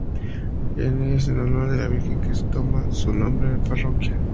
Es en honor a la virgen que toma su nombre la parroquia.